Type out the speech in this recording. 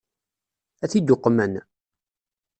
Ad t-id-uqmen?